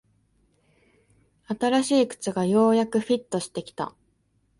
新しい靴がようやくフィットしてきた